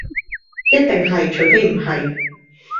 一定係除非唔係